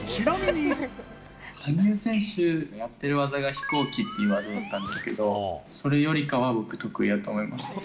羽生選手のやってる技が飛行機っていう技だったんですけど、それよりかは僕、得意だと思います。